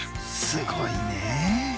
すごいねえ。